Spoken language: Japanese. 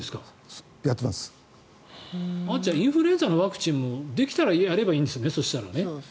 じゃあインフルエンザのワクチンもできたらやればいいんですね。